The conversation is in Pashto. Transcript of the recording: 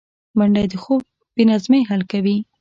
منډه د خوب بې نظمۍ حل کوي